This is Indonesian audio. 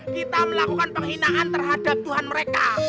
kita melakukan penghinaan terhadap tuhan mereka